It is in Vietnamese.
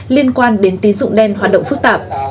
liên quan đến tín dụng đen hoạt động phức tạp